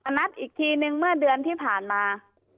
นัดอีกทีนึงเมื่อเดือนที่ผ่านมา